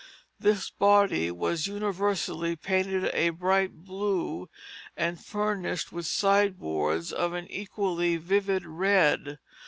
This body was universally painted a bright blue, and furnished with sideboards of an equally vivid red.